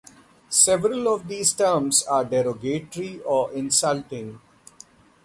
Several of these terms are derogatory or insulting.